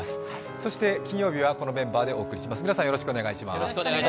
そして金曜日はこのメンバーでお送りします。